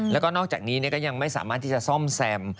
แล้วก็นอกจากนี้ก็ยังไม่สามารถที่จะซ่อมแซม